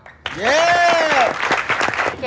เย้